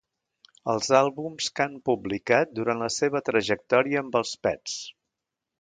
Els àlbums que han publicat durant la seva trajectòria amb Els Pets.